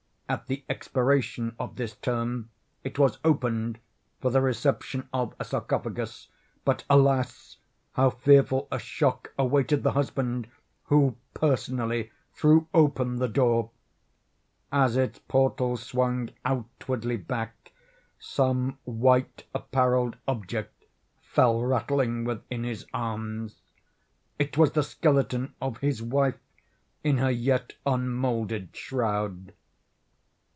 At the expiration of this term it was opened for the reception of a sarcophagus; but, alas! how fearful a shock awaited the husband, who, personally, threw open the door! As its portals swung outwardly back, some white apparelled object fell rattling within his arms. It was the skeleton of his wife in her yet unmoulded shroud.